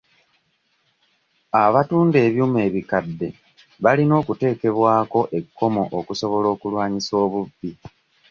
Abatunda ebyuma ebikadde balina okuteekebwako ekkomo okusobola okulwanyisa obubbi.